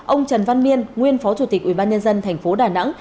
ông trần văn miên nguyên phó chủ tịch ubnd thành phố đà nẵng